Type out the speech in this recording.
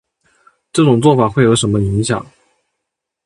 这种做法有什么影响